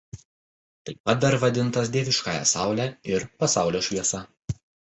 Taip pat dar vadintas "Dieviškąja Saule" ir "Pasaulio Šviesa".